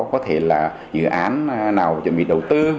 có thể là dự án nào chuẩn bị đầu tư